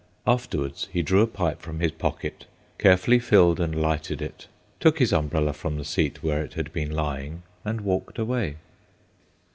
Afterwards he drew a pipe from his pocket, carefully filled and lighted it, took his umbrella from the seat where it had been lying, and walked away.